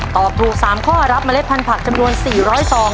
ตอบถูก๓ข้อรับเล็ดพันธุ์จำนวน๔๐๐ซอง